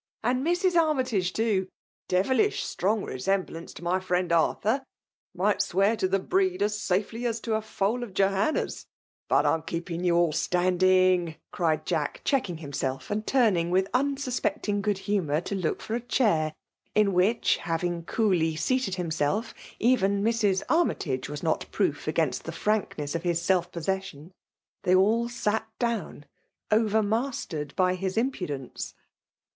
And Mrs. Armytage, too— devilish strong resem VSMALB DOMINATION. 171 blatice to my friend Arthur^ ^aigbt swear to the breed as safely as to a fibal of Gdiaiuia a ! Silt I am keying you all standing/* eried J«ck> ebeckmg himself^ and tunuDg with mn suspecting good hmnoor to look for a chair; in which, haraig coolly seated himself, evcm Mrs. Armytage was not proof against the frankness of his aelf possession. They all sat down> OTermastered by his impudence.